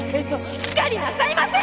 しっかりなさいませ！